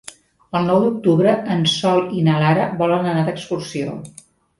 El nou d'octubre en Sol i na Lara volen anar d'excursió.